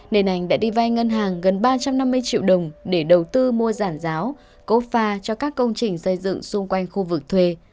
nên anh đã đi vay ngân hàng gần ba trăm năm mươi triệu đồng để đầu tư mua giản giáo cố pha cho các công trình xây dựng xung quanh khu vực thuê